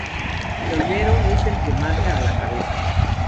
Pionero es el que marcha a la cabeza.